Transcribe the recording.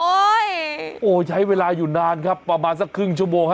โอ้โหใช้เวลาอยู่นานครับประมาณสักครึ่งชั่วโมงฮะ